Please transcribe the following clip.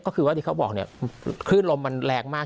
ก็คือว่าเขาบอกครื่นลมมันแรงมาก